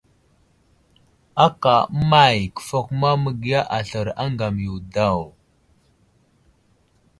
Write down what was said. Aka əmay kəfakuma məgiya aslər aŋgam yo daw ?